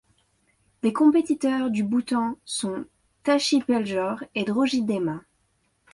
Les compétiteurs du Bhoutan sont Tashi Peljor et Droji Dema.